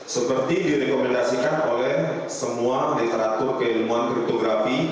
seperti direkomendasikan oleh semua literatur keilmuan kritografi